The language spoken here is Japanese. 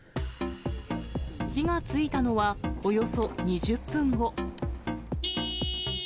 火がついたのは、およそ２０分後。